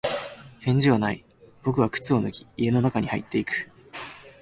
返事はない。僕は靴を脱ぎ、家の中に入っていく。